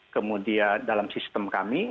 kemudian dalam sistem kami